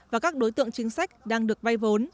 và các đối tượng chính sách đang được vay vốn